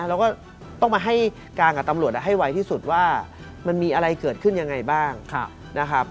เราก็ต้องมาให้การกับตำรวจให้ไวที่สุดว่ามันมีอะไรเกิดขึ้นยังไงบ้างนะครับ